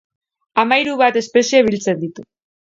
Hamahiru bat espezie biltzen ditu.